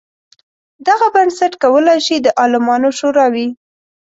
دغه بنسټ کولای شي د عالمانو شورا وي.